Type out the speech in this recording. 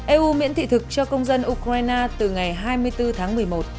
eu miễn thị thực cho công dân ukraine từ ngày hai mươi bốn tháng một mươi một